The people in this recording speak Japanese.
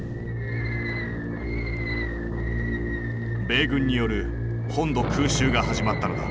米軍による本土空襲が始まったのだ。